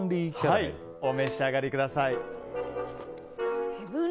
お召し上がりください。